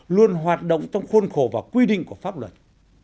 luôn hoạt động trong khuôn khổ và quy định của pháp luật